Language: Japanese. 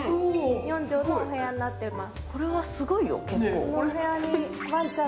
４畳のお部屋になっております。